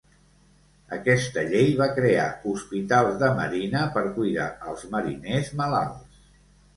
Aquesta llei va crear Hospitals de Marina per cuidar els mariners malalts.